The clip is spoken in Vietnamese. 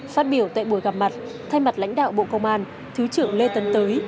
phát biểu tại buổi gặp mặt thay mặt lãnh đạo bộ công an thứ trưởng lê tấn tới